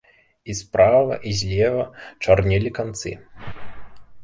І справа і злева чарнелі канцы.